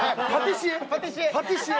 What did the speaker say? パティシエ。